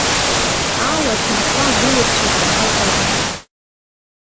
Ауа, аҭынха, агәылацәа ираҳаит ари.